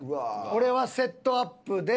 俺はセットアップで。